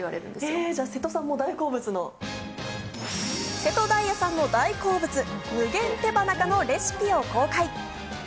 瀬戸大也さんの大好物・無限手羽中のレシピを公開！